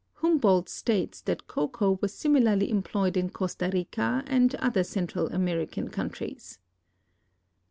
Humboldt states that cocoa was similarly employed in Costa Rica and other Central American countries.